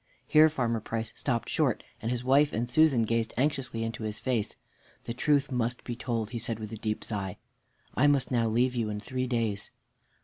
Here Farmer Price stopped short, and his wife and Susan gazed anxiously into his face. "The truth must be told," he said with a deep sigh, "I must now leave you in three days."